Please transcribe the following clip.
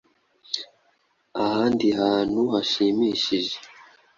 ahandi hantu hashimishije.